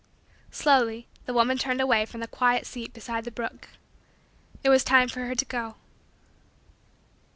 Slowly the woman turned away from the quiet seat beside the brook. It was time for her to go.